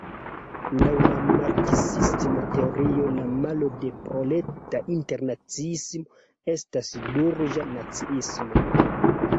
Laŭ la marksisma teorio la malo de proleta internaciismo estas "burĝa naciismo".